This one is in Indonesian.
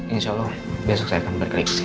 insya allah besok saya akan berkreksi